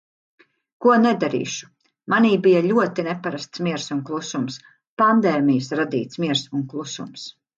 Ko nedarīšu, manī bija ļoti neparasts miers un klusums, pandēmijas radīts miers un klusums.